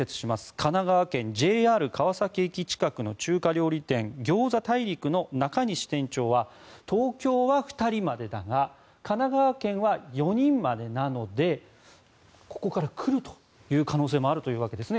神奈川県、ＪＲ川崎駅近くの中華料理店、餃子太陸の中西店長は東京は２人までだが神奈川県は４人までなのでここから来るという可能性もあるというわけですね。